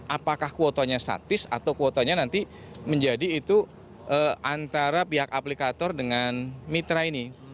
apakah kuotanya statis atau kuotanya nanti menjadi itu antara pihak aplikator dengan mitra ini